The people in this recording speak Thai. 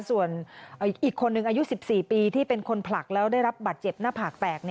ส่วนอีกคนนึงอายุ๑๔ปีที่เป็นคนผลักแล้วได้รับบัตรเจ็บหน้าผากแตก